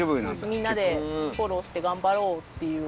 みんなでフォローして頑張ろうっていう。